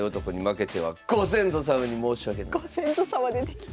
ご先祖様出てきた。